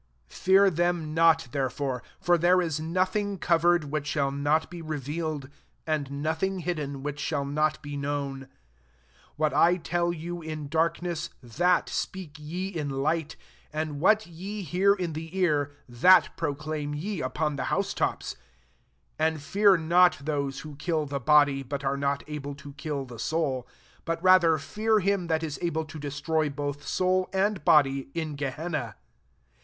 26 Fear them not therefore: for there is nothing covered, which shall not be revealed ; and nothing\ hidden, which shall not be known : 27 what I tell you in darkness, that speak ye in light: and what ye hear in the ear, tftat proclaim ye upon the hoase tops: 28 and fear not those who kill the body, but are not able to kill the soul : but rather fear him that is able to destroy both soul and body in Gehenna.